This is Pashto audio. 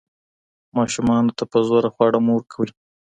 ماشوم ته په زور خواړه مه ورکوئ.